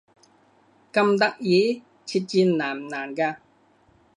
咁得意？設置難唔難㗎？